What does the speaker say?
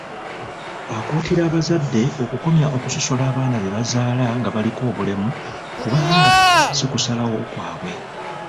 Akuutira abazadde okukomya okusosola abaana be bazaala nga baliko obulemu kubanga si kusalawo kwabwe.